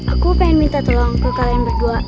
aku pengen minta tolong ke kalian berdua